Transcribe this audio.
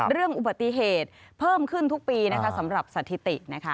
เรื่องอุบัติเหตุเพิ่มขึ้นทุกปีนะคะสำหรับสถิตินะคะ